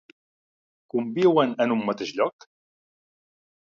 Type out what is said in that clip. Conviuen en un mateix lloc?